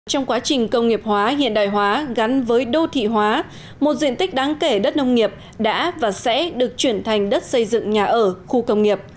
trong quá trình công nghiệp hóa hiện đại hóa gắn với đô thị hóa một diện tích đáng kể đất nông nghiệp đã và sẽ được chuyển thành đất xây dựng nhà ở khu công nghiệp